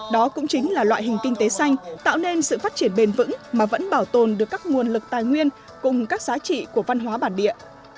đó cũng chính là loại hình kinh tế xanh tạo nên sự phát triển bền vững mà vẫn bảo tồn được các nguồn lực tài nguyên cùng các giá trị của văn hóa bản địa